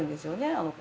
あの子。